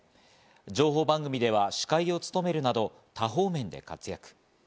情報番組では司会を務めるなど多方面で活躍。